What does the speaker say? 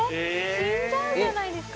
死んじゃうじゃないですか。